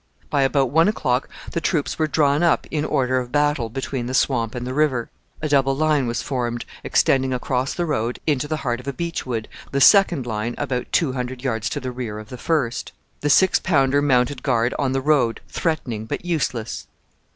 By about one o'clock the troops were drawn up in order of battle between the swamp and the river. A double line was formed extending across the road into the heart of a beech wood, the second line about two hundred yards to the rear of the first. The six pounder mounted guard on the road, threatening, but useless.